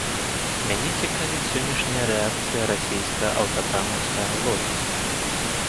Мяне цікавіць сённяшняя рэакцыя расійскага аўтапрамаўскага лобі.